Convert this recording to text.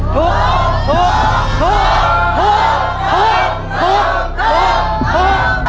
ถูก